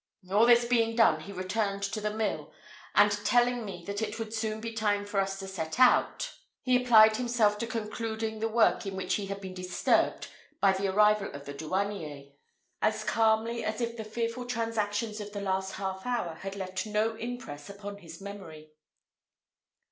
All this being done, he returned to the mill; and telling me that it would soon be time for us to set out, he applied himself to concluding the work in which he had been disturbed by the arrival of the douanier, as calmly as if the fearful transactions of the last half hour had left no impress upon his memory.